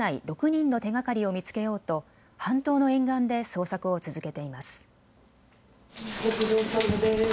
６人の手がかりを見つけようと半島の沿岸で捜索を続けています。